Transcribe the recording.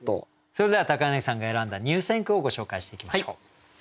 それでは柳さんが選んだ入選句をご紹介していきましょう。